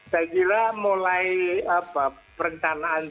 sejelah mulai perintahannya